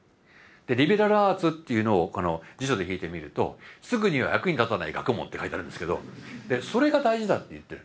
「リベラルアーツ」っていうのを辞書で引いてみると「すぐには役に立たない学問」って書いてあるんですけどそれが大事だって言ってる。